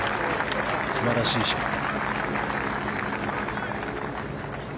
素晴らしいショット。